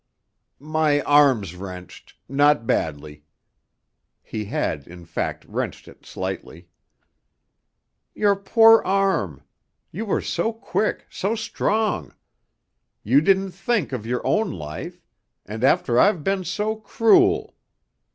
"My arm's wrenched not badly." He had in fact wrenched it slightly. "Your poor arm! You were so quick, so strong. You didn't think of your own life. And I've been so cruel.